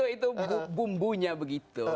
itu bumbunya begitu